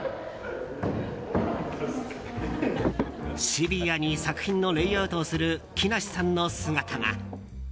シビアに作品のレイアウトをする木梨さんの姿が。